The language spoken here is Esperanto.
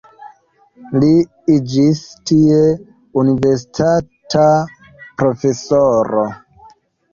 Li iĝis tie universitata profesoro.